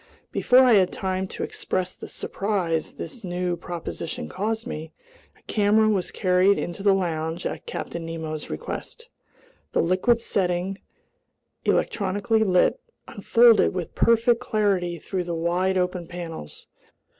Before I had time to express the surprise this new proposition caused me, a camera was carried into the lounge at Captain Nemo's request. The liquid setting, electrically lit, unfolded with perfect clarity through the wide open panels.